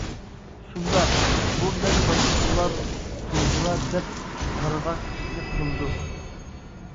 شۇنداق بۇ مەن باشقىلار توغرا دەپ قارىغان ئىشنى قىلىدۇ.